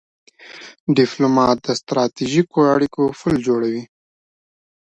ډيپلومات د ستراتیژیکو اړیکو پل جوړوي.